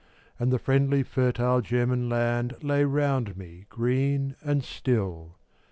And the friendly fertile German land Lay round me green and still.